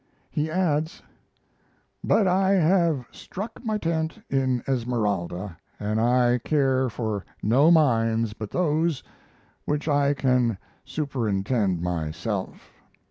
He adds: But I have struck my tent in Esmeralda, and I care for no mines but those which I can superintend myself.